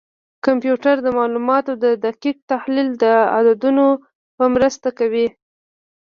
کمپیوټر د معلوماتو دقیق تحلیل د عددونو په مرسته کوي.